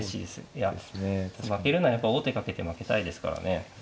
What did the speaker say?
いや負けるのはやっぱ王手かけて負けたいですからね。